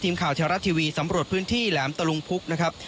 ทีมข่าวชาวรัฐทีวีสำรวจพื้นที่แหลมตะลุงพุกนะครับ